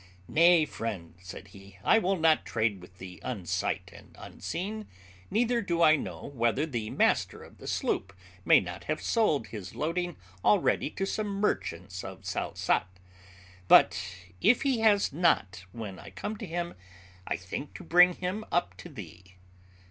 "Nay, friend," said he, "I will not trade with thee unsight and unseen; neither do I know whether the master of the sloop may not have sold his loading already to some merchants of Salsat; but if he has not when I come to him, I think to bring him up to thee."